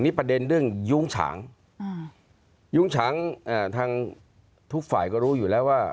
นี่ประเด็นเรื่องยุ้งฉางยุ้งฉางอ่าทางทุกฝ่ายก็รู้อยู่แล้วว่า